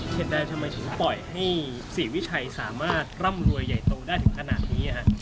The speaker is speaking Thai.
อย่างมึงอ่ะก็ได้มั้ยฉันมันปล่อยให้เสียวิชัยสามารถร่ำรวยใหญ่โตได้จงขนาดนี้ฮะ